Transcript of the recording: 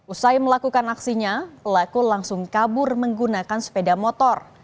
usai melakukan aksinya pelaku langsung kabur menggunakan sepeda motor